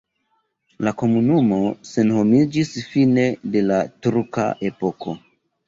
La komunumo senhomiĝis fine de la turka epoko.